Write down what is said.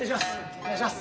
お願いします。